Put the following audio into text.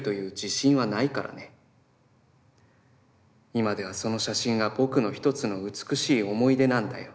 今ではその写真が僕の一つの美しい思い出なんだよ。